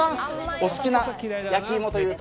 お好きな焼き芋でいうと？